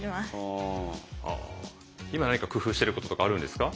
今何か工夫してることとかあるんですか？